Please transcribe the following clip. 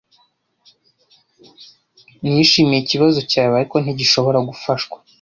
Nishimiye ikibazo cyawe, ariko ntigishobora gufashwa.